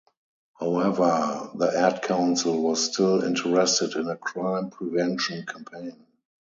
However, the Ad Council was still interested in a crime prevention campaign.